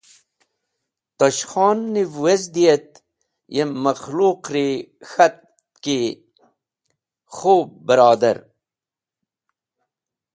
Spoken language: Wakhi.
Tosh Khon niv wezdi et yem makhluq’ri k̃hat ki khub barodar!